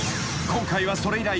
［今回はそれ以来］